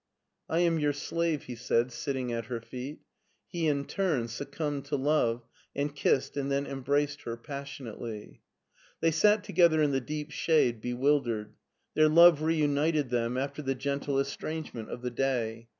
" I am your slave," he said, sitting at her feet ; he in turn succumbed to love, and kissed and then em braced her passionately. They sat together in the deep shade, bewildered. Their love reunited them after the gentle estrangement of the day.